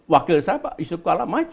wakil saya pak yusuf kalla maju